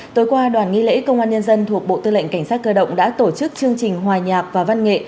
tối qua đoàn nghi lễ công an nhân dân thuộc bộ tư lệnh cảnh sát cơ động đã tổ chức chương trình hòa nhạc và văn nghệ